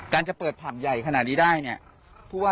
การเปิดผับใหญ่ในผสมของนี้ได้